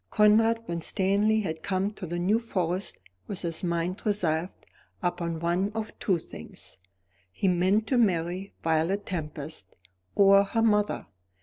Conrad Winstanley had come to the New Forest with his mind resolved upon one of two things. He meant to marry Violet Tempest or her mother.